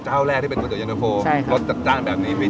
เจ้าแรกที่เป็นเจ้าเย็นเตอร์โฟรถจัดจ้างแบบนี้พิจิตร